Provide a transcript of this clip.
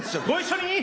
ご一緒に！